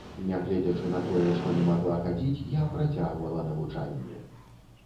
Нягледзячы на тое, што не магла хадзіць, я працягвала навучанне.